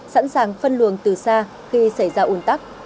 sẵn sàng phân luồng từ xa khi xảy ra ủn tắc